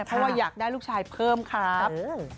เพราะว่าอยากได้ลูกชายเพิ่มครับ